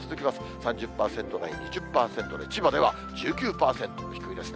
３０％台、２０％台、千葉では１９％、低いですね。